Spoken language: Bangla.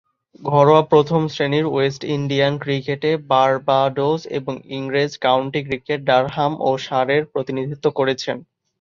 ঘরোয়া প্রথম-শ্রেণীর ওয়েস্ট ইন্ডিয়ান ক্রিকেটে বার্বাডোস এবং ইংরেজ কাউন্টি ক্রিকেট ডারহাম ও সারের প্রতিনিধিত্ব করেছেন।